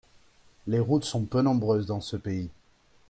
Les routes sont peu nombreuses dans ce pays.